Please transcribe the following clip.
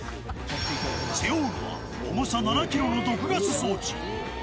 背負うのは、重さ７キロの毒ガス装置。